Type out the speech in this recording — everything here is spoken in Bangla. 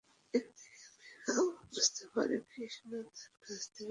এদিকে "মেঘা"ও বুঝতে পারে "কৃষ" তার কাছ থেকে দূরে সরে গেছে।